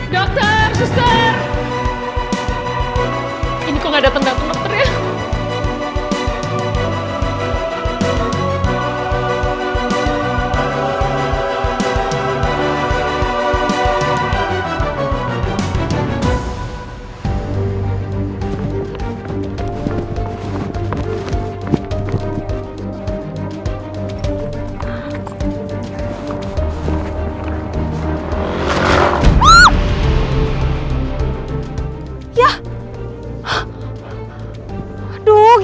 ya udah kena mengharuskan serangan